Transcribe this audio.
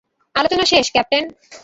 আলোচনা শেষ, ক্যাপ্টেন।